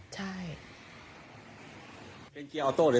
ใช่